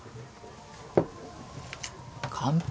完璧？